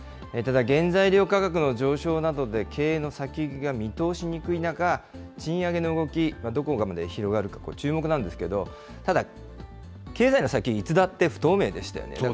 ただ原材料価格の上昇などで、経営の先行きが見通しにくい中、賃上げの動き、どこまで広がるか注目なんですけど、ただ、経済の先行きはいつだって不透明でしたよね。